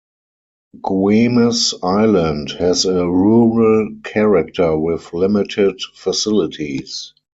Guemes Island has a rural character with limited facilities.